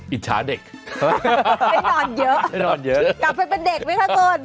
อิจฉาเด็กได้นอนเยอะได้นอนเยอะกลับไปเป็นเด็กไหมคะคุณ